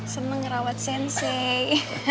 seneng ngerawat sensei